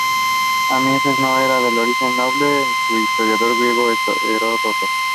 Amosis no era de origen noble, según el historiador griego Heródoto.